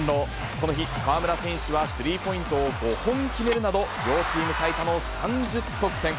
この日、河村選手はスリーポイントを５本決めるなど、両チーム最多の３０得点。